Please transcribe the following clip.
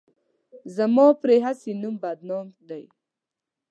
زما پرې هسې نوم بدنام دی.